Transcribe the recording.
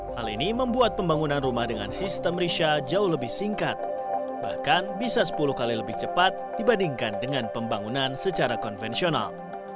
hal ini membuat pembangunan rumah dengan sistem risa jauh lebih singkat bahkan bisa sepuluh kali lebih cepat dibandingkan dengan pembangunan secara konvensional